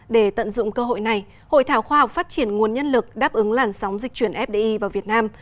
để tận dụng cơ hội này hội thảo khoa học phát triển nguồn nhân lực đáp ứng làn sóng dịch chuyển fdi vào việt nam